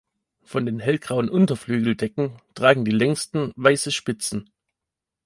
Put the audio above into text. Von den hellgrauen Unterflügeldecken tragen die längsten weiße Spitzen.